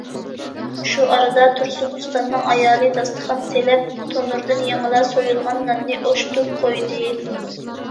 شۇ ئارىدا تۇرسۇن ئۇستامنىڭ ئايالى داستىخان سېلىپ، تونۇردىن يېڭىلا سويۇلغان ناننى ئوشتۇپ قويدى.